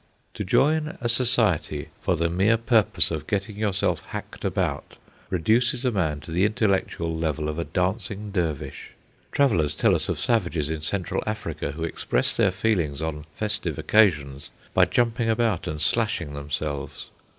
To join a society for the mere purpose of getting yourself hacked about reduces a man to the intellectual level of a dancing Dervish. Travellers tell us of savages in Central Africa who express their feelings on festive occasions by jumping about and slashing themselves.